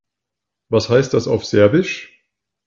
Was heißt das auf Serbisch?